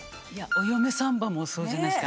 『お嫁サンバ』もそうじゃないですか。